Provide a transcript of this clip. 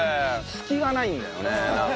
隙がないんだよねなんか。